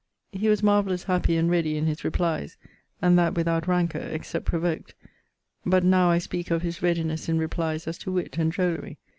_ He was marvellous happy and ready in his replies, and that without rancor (except provoked) but now I speake of his readinesse in replies as to witt and drollery.